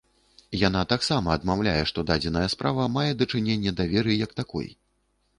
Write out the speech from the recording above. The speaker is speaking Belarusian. Яна таксама адмаўляе, што дадзеная справа мае дачыненне да веры як такой.